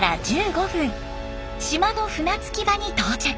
島の船着き場に到着。